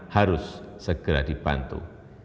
harus segera dibantu